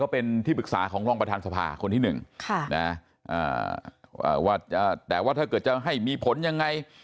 เป็นที่ปรึกษาของรองประธานสภาคนที่๑แต่ว่าถ้าเกิดจะให้มีผลยังไง